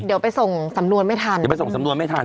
เดี๋ยวไปส่งสำนวนไม่ทันเดี๋ยวไปส่งสำนวนไม่ทัน